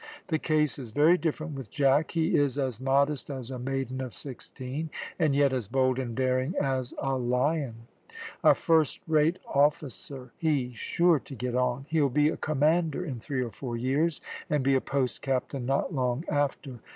The case is very different with Jack; he is as modest as a maiden of sixteen, and yet as bold and daring as a lion; a first rate officer; he's sure to get on; he'll be a commander in three or four years, and be a post captain not long after.